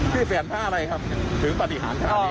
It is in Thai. พี่แผนท่าอะไรครับถึงปฏิหารขนาดนี้